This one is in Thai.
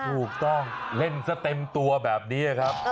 ถูกต้องเล่นซะเต็มตัวแบบนี้ครับ